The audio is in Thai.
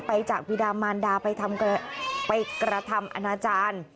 จากวิดามานดาไปกระทำอนาจารย์